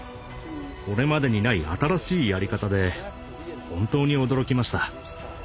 これまでにない新しいやり方で本当に驚きました。